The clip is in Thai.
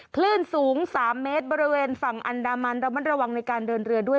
คลื่นสูง๓เมตรบริเวณฝั่งอันดามันระมัดระวังในการเดินเรือด้วย